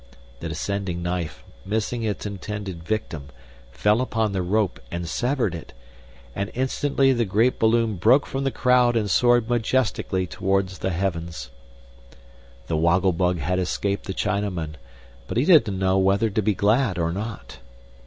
The descending knife, missing its intended victim, fell upon the rope and severed it, and instantly the great balloon from the crowd and soared majestically toward the heavens. The Woggle Bug had escaped the Chinaman, but he didn't know whether to be glad or not.